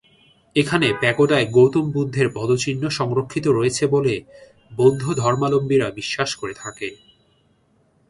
এখানে প্যাগোডায় গৌতম বুদ্ধের পদচিহ্ন সংরক্ষিত রয়েছে বলে বৌদ্ধ ধর্মাবলম্বীরা বিশ্বাস করে থাকে।